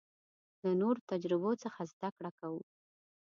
له نورو تجربو څخه زده کړه کوو.